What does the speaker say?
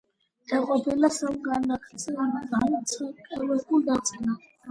დაყოფილია სამ განცალკევებულ ნაწილად.